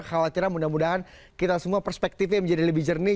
kekhawatiran mudah mudahan kita semua perspektifnya menjadi lebih jernih